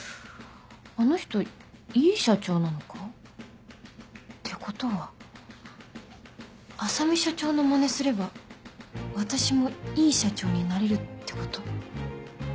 あの人いい社長なのか？ってことは浅海社長のマネすれば私もいい社長になれるってこと？